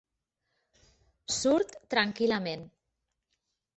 Surt tranquil·lament.